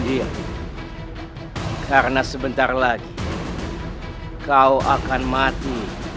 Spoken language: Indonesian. diam diam karena sebentar lagi kau akan mati